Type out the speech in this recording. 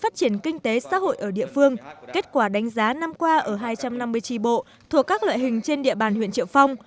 phát triển kinh tế xã hội ở địa phương kết quả đánh giá năm qua ở hai trăm năm mươi tri bộ thuộc các loại hình trên địa bàn huyện triệu phong